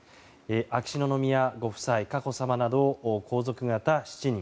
秋篠宮ご夫妻、佳子さまなど皇族方７人